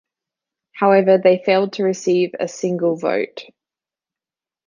However, they failed to receive a single vote.